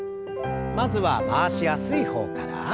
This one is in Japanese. まずは回しやすい方から。